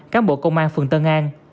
cán bộ công an phường tân an